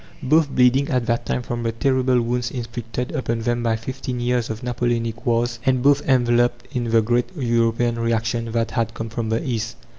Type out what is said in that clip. Both bleeding at that time from the terrible wounds inflicted upon them by fifteen years of Napoleonic wars, and both enveloped in the great European reaction that had come from the East.